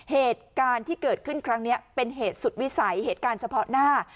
เหตุการณ์ที่เกิดขึ้นครั้งนี้เป็นเหตุสุดวิสัยเหตุการณ์เฉพาะหน้า